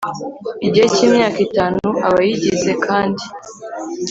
igihe cy imyaka itanu Abayigize kandi